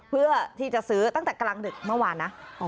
เพื่อที่จะซื้อตั้งแต่กลางดึกเมื่อวานนะ